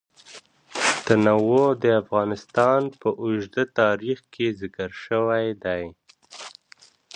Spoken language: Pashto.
تنوع د افغانستان په اوږده تاریخ کې ذکر شوی دی.